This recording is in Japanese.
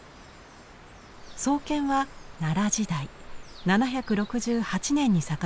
創建は奈良時代７６８年に遡ります。